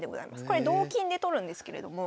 これ同金で取るんですけれども。